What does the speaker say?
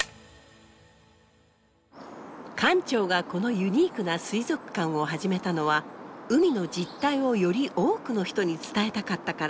館長がこのユニークな水族館を始めたのは海の実態をより多くの人に伝えたかったから。